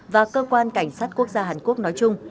và cơ quan cảnh sát quốc gia hàn quốc nói chung